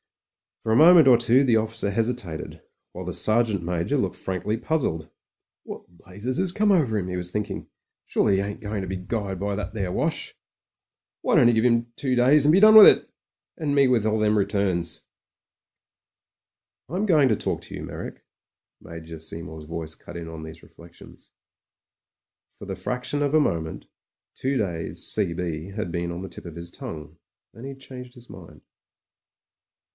For a moment or two the officer hesitated, while the Sergeant Major looked frankly puzzled. "What the blazes 'as come over 'im," he was thinking; "surely he ain't going to be guyed by that there wash. Why PRIVATE MEYRICK— COMPANY IDIOT 55 don't 'e give 'im two days and be done with it — and me with all them returns." "Fm going to talk to you, Meyrick." Major Sesrmour's voice cut in on these reflections. For the fraction of a moment "Two days C.B." had been on the tip of his tongue, and then he'd changed his mind.